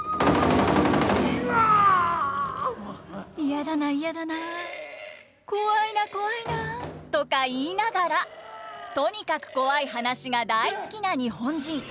「嫌だな嫌だなコワいなコワいな」とか言いながらとにかくコワい話が大好きな日本人。